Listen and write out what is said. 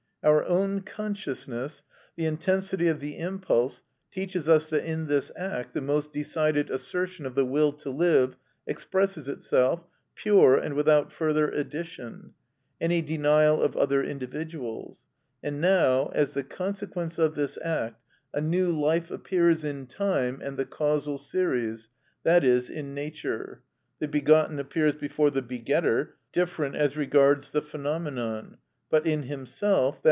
Our own consciousness, the intensity of the impulse, teaches us that in this act the most decided assertion of the will to live expresses itself, pure and without further addition (any denial of other individuals); and now, as the consequence of this act, a new life appears in time and the causal series, i.e., in nature; the begotten appears before the begetter, different as regards the phenomenon, but in himself, _i.